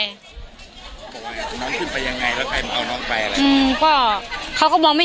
บ๊วยพี่น้องขึ้นไปยังไงแล้วใครมันเอาน้องไป